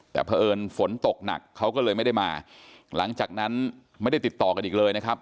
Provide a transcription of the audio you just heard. แต่เผอิญฝนตกหนักเขาก็เลยไม่ได้มาหลังจากนั้นไม่ได้ติดต่อกันอีกเลยนะครับ